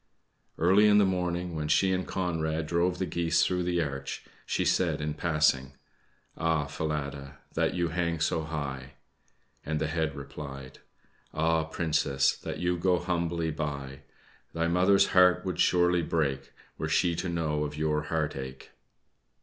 Early in the morning, when she and Conrad drove the geese through the arch, she said in passing: "Ah, Falada, that you hang so high!" and the head replied: "Ah Princess, that you go humbly by! Thy mother's heart would surely break Were she to know of your heart ache!"